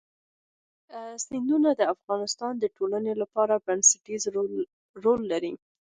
سیندونه د افغانستان د ټولنې لپاره بنسټيز رول لري.